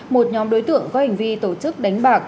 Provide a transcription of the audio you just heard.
một nhóm đối tượng có hành vi tổ chức đánh bạc